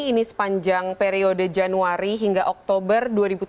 ini sepanjang periode januari hingga oktober dua ribu tujuh belas